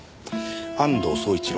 安藤総一郎。